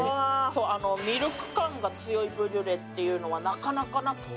ミルク感が強いブリュレっていうのはなかなかなくて。